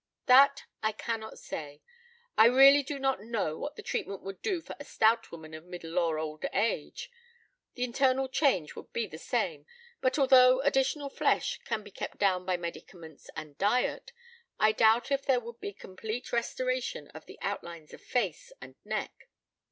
"That I cannot say. I really do not know what the treatment would do to a stout woman of middle or old age. The internal change would be the same, but, although additional flesh can be kept down by medicaments and diet, I doubt if there would be a complete restoration of the outlines of face and neck.